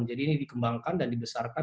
jadi ini dikembangkan dan dibesarkan